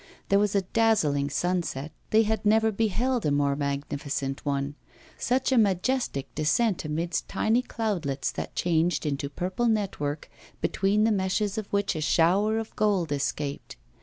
There was a dazzling sunset, they had never beheld a more magnificent one, such a majestic descent amidst tiny cloudlets that changed into purple network, between the meshes of which a shower of gold escaped.